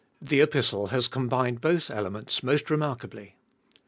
The Epistle has com bined both elements most remarkably.